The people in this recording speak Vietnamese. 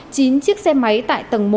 chín chiếc xe máy tại tầng một